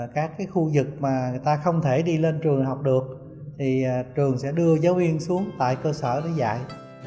là việc mà người ta không thể đi lên trường học được thì trường sẽ đưa giáo viên xuống tại cơ sở để dạy